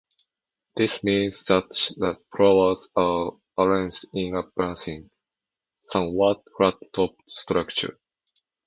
This means that the flowers are arranged in a branching, somewhat flat-topped structure.